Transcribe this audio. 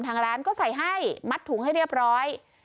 ทางร้านก็ใส่ให้มัดถุงให้เรียบร้อย